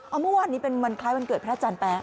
เอาเมื่อวานนี้เป็นวันคล้ายวันเกิดพระอาจารย์แป๊ะ